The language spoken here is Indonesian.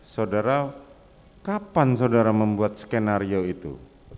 saudara kapan saudara membuat skenario itu